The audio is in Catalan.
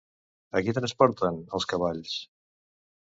A qui transporten, els cavalls?